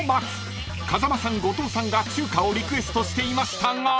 ［風間さん後藤さんが中華をリクエストしていましたが］